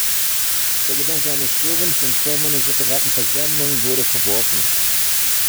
Der Gedanke eines Forums in Form einer separaten Versammlung wurde verworfen.